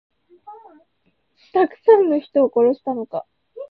たくさんの人を殺したのか。